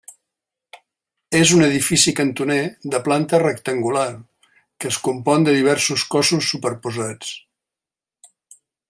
És un edifici cantoner de planta rectangular, que es compon de diversos cossos superposats.